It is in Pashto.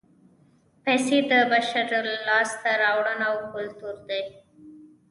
پیسې د بشر لاسته راوړنه او کولتور دی